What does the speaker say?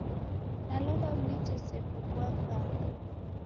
Nalomba munitesie kugua w'ughanga.